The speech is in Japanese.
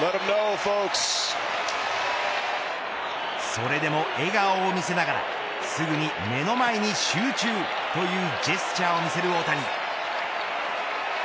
それでも笑顔を見せながらすぐに目の前に集中というジェスチャーを見せる大谷。